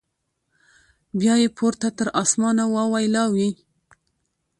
بیا یې پورته تر اسمانه واویلا وي